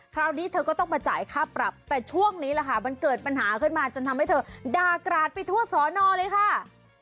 คราวนี้เธอก็ต้องมาจ่ายค่าปรับแต่ช่วงนี้แหละค่ะมันเกิดปัญหาขึ้นมาจนทำให้เธอด่ากราดไปทั่วสอนอเลยค่ะ